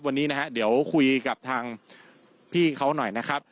วันนี้นะฮะเดี๋ยวคุยกับทางพี่เขาหน่อยนะครับ